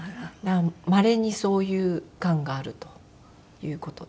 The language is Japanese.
まれにそういうがんがあるという事で。